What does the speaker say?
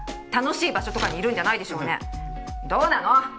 楽しい場所とかにいるんじゃないでしょうねどうなの？